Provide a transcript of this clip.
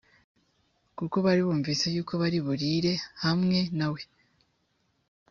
kuko bari bumvise yuko bari burire hamwe na we